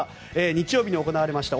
日曜日に行われました